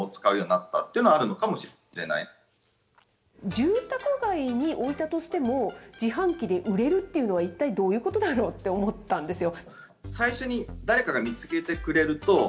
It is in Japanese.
住宅街に置いたとしても、自販機で売れるっていうのは、一体どういうことだろうって思ったんですよ。